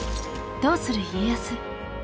「どうする家康」。